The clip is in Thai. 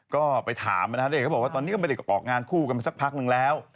ก็ไปถามนะครับเด็กก็บอกว่าตอนนี้ก็ไม่ได้ออกงานคู่กันมาสักพักนึงแล้ว